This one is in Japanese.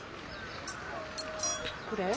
これ？